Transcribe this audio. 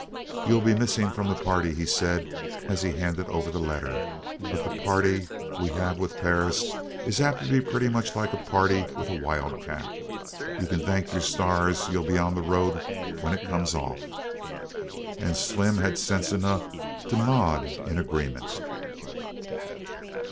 "You'll be missing from the party," he said, as he handed over the letter, "but the party we have with Perris is apt to be pretty much like a party with a wild cat. You can thank your stars you'll be on the road when it comes off!" And Slim had sense enough to nod in agreement.